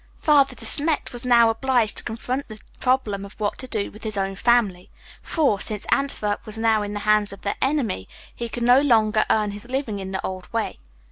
Father De Smet was now obliged to confront the problem of what to do with his own family, for, since Antwerp was now in the hands of the enemy, he could no longer earn his living in the old way.